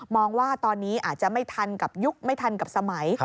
ว่าตอนนี้อาจจะไม่ทันกับยุคไม่ทันกับสมัย